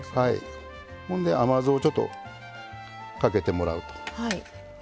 甘酢をちょっとかけてもらうと。